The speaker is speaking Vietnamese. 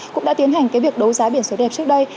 cũng đã tiến hành cái việc đấu giá biển số đẹp trước đây